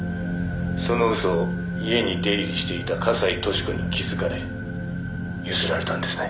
「その嘘を家に出入りしていた笠井俊子に気づかれ強請られたんですね？」